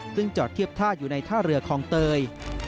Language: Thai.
ซึ่งจอดเทียบท่าอยู่ในท่าเรือคลองเตย